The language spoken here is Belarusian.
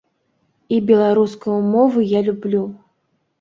І беларускую мову я люблю.